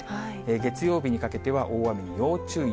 月曜日にかけては大雨に要注意。